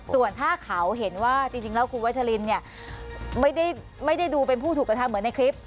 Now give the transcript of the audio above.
ส่วนถ้าเขาเห็นว่าจริงแล้วคุณวัชลินเนี่ยไม่ได้ดูเป็นผู้ถูกกระทำเหมือนในคลิป